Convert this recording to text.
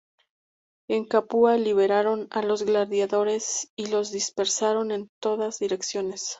En Capua liberaron a los gladiadores y los dispersaron en todas direcciones.